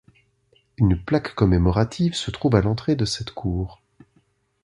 Une plaque commémorative se trouve à l'entrée de cette cour.